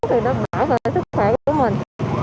thì nó bảo vệ sức khỏe của mình